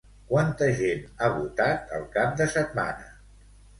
Quanta gent ha votat el cap de setmana?